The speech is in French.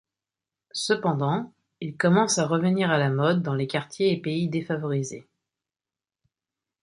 Cependant, il commence à revenir à la mode dans les quartiers et pays défavorisés.